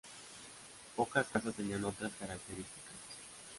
Pocas casas tenían otras características.